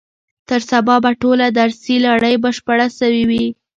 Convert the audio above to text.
تر سبا به ټوله درسي لړۍ بشپړه سوې وي.